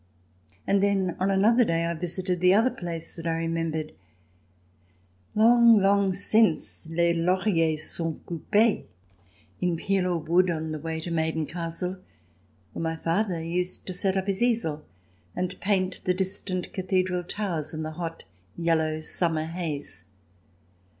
And then on another day I visited the other place that I remembered. Long, long since " les lauriers sont coupes " in Pelaw Wood, on the way to Maiden Castle, where my father used to set up his easel, and paint the distant cathedral towers in the hot, yellow, summer haze.